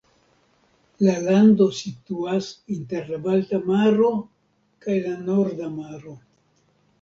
La lando situas inter la Balta maro kaj la Norda Maro.